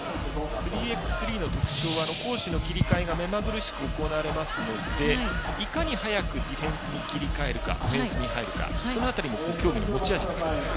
３ｘ３の特徴は攻守の切り替えがめまぐるしく行われますのでいかに早くディフェンスに切り替えるかその辺りも競技の持ち味ですね。